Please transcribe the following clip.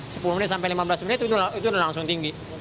sepuluh menit sampai lima belas menit itu langsung tinggi